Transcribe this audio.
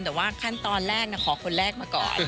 แต่ว่าขั้นตอนแรกขอคนแรกมาก่อน